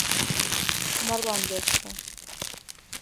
Марлан лекше.